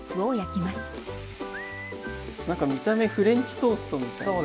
何か見た目フレンチトーストみたい。